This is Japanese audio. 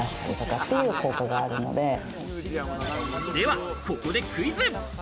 ではここでクイズ。